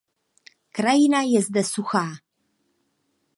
Krajina je zde suchá.